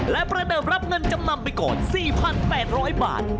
และประเดิมรับเงินจำนำไปก่อน๔๘๐๐บาท